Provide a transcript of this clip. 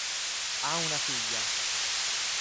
Ha una figlia.